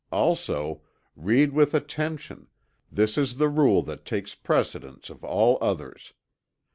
Also: "Read with attention. This is the rule that takes precedence of all others.